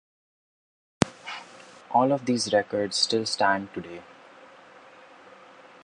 All of these records still stand today.